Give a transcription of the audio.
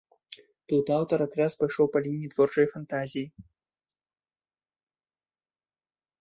Тут аўтар якраз пайшоў па лініі творчай фантазіі.